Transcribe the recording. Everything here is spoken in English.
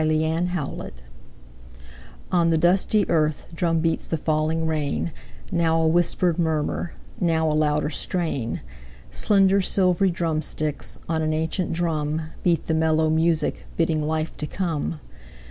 Rain Music ON the dusty earth drum Beats the falling rain; Now a whispered murmur, Now a louder strain. Slender, silvery drumsticks, On an ancient drum, Beat the mellow music Bidding life to come.